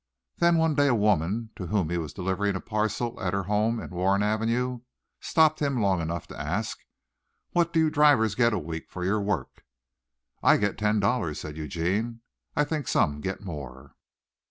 Then one day a woman to whom he was delivering a parcel at her home in Warren Avenue, stopped him long enough to ask: "What do you drivers get a week for your work?" "I get ten dollars," said Eugene. "I think some get more."